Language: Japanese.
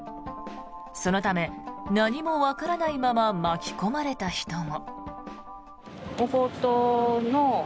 そのため、何もわからないまま巻き込まれた人も。